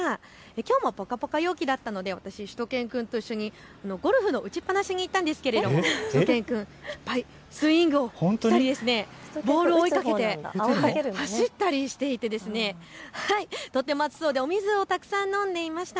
きょうもぽかぽか陽気だったので私、しゅと犬くんと一緒にゴルフの打ちっぱなしに行ったんですがしゅと犬くん、いっぱいスイングをしたりボールを追いかけて走ったりしていてとても暑そうでお水をたくさん飲んでいました。